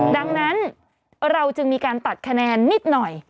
ดังนั้นเราจึงมีการตัดคะแนนนิดหน่อย